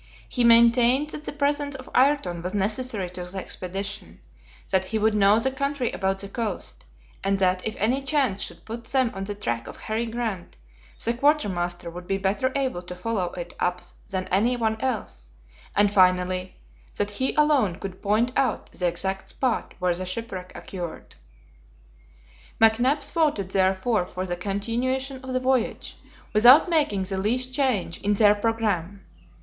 He maintained that the presence of Ayrton was necessary to the expedition, that he would know the country about the coast, and that if any chance should put them on the track of Harry Grant, the quartermaster would be better able to follow it up than any one else, and, finally, that he alone could point out the exact spot where the shipwreck occurred. McNabbs voted therefore for the continuation of the voyage, without making the least change in their programme.